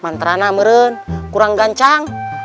mantra namren kurang ganjang